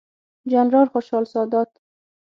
جنرال خوشحال سادات،